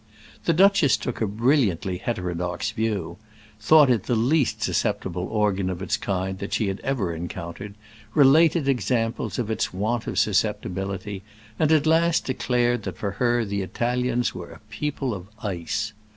The duchess took a brilliantly heterodox view—thought it the least susceptible organ of its kind that she had ever encountered, related examples of its want of susceptibility, and at last declared that for her the Italians were a people of ice.